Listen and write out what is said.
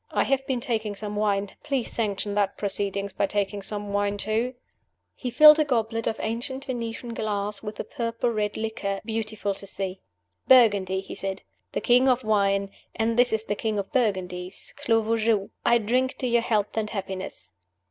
I have been taking some wine. Please sanction that proceeding by taking some wine too." He filled a goblet of ancient Venetian glass with a purple red liquor, beautiful to see. "Burgundy!" he said "the king of wine: And this is the king of Burgundies Clos Vougeot. I drink to your health and happiness!"